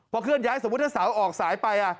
เคลื่อนย้ายสมมุติถ้าเสาออกสายไป